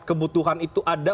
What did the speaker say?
kebutuhan itu ada